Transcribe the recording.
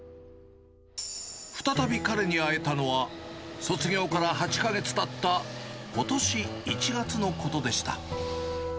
再び彼に会えたのは、卒業から８か月たったことし１月のことでした。